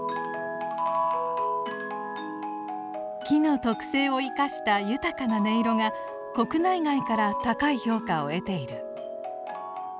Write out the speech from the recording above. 木の特性を生かした豊かな音色が国内外から高い評価を得ている。